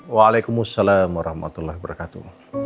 waalaikumsalam warahmatullahi wabarakatuh